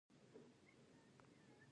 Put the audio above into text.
ظلم چې ومنل شي، تکرارېږي.